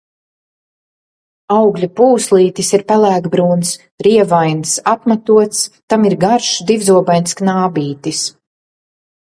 Augļa pūslītis ir pelēkbrūns, rievains, apmatots, tam ir garš, divzobains knābītis.